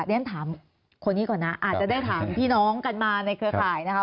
เรียนถามคนนี้ก่อนนะอาจจะได้ถามพี่น้องกันมาในเครือข่ายนะคะ